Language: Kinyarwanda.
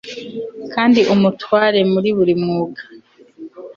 kandi umutware muri buri mwuga